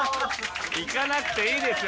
いかなくていいですよ